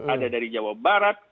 ada dari jawa barat